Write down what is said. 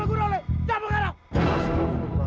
ini karena cabu karang dia